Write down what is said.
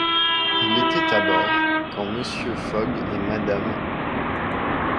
Il était à bord, quand Mr. Fogg et Mrs.